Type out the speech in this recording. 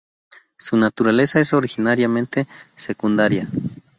Su naturaleza es originariamente secundaria.